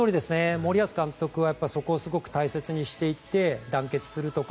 森保監督はそこを大切にしていて団結するとか。